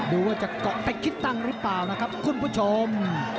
ดูว่าจะเกาะติดคิดตั้งหรือเปล่านะครับคุณผู้ชม